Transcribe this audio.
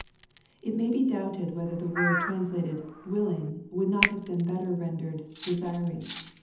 '] It may be doubted whether the word translated " willing/' would not hive been better rendered "desiring."